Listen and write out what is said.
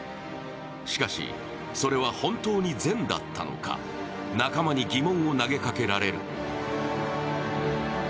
しかし、それは本当に善だったのか仲間に疑問を投げかけられる。